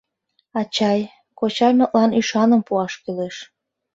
Ачай, кочаймытлан ӱшаным пуаш кӱлеш.